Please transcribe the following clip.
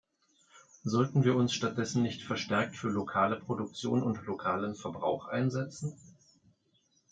Sollten wir uns stattdessen nicht verstärkt für lokale Produktion und lokalen Verbrauch einsetzen?